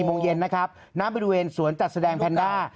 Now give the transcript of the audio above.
โมงเย็นนะครับน้ำบริเวณสวนจัดแสดงแพนด้า